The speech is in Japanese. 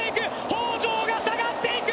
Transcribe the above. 北條が下がっていく！